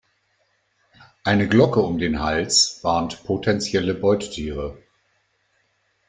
Eine Glocke um den Hals warnt potenzielle Beutetiere.